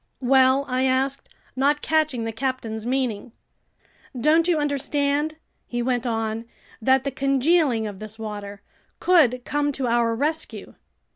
"Well?" I asked, not catching the captain's meaning. "Don't you understand," he went on, "that the congealing of this water could come to our rescue?